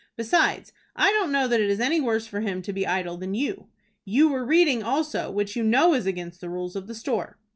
Besides, I don't know that it is any worse for him to be idle than you. You were reading also, which you know is against the rules of the store."